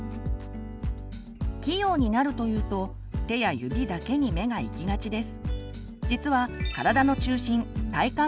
器用になるというと手や指だけに目が行きがちです。